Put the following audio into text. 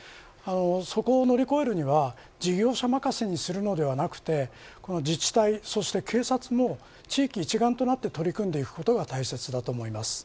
そこを乗り越えるには事業者任せにするのではなくて自治体そして警察も地域一丸となって取り組んでいくことが大切です。